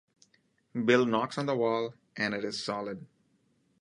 Bill knocks on the wall, and it is solid.